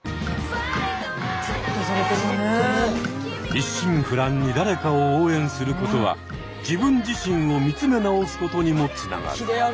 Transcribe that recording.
一心不乱に誰かを応援することは自分自身を見つめ直すことにもつながる。